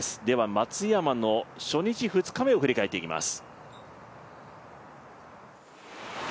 松山の初日、２日目を振り返っていきます。